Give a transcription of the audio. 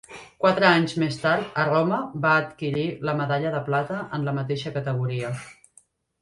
Quatre anys més tard a Roma va adquirir la medalla de plata en la mateixa categoria.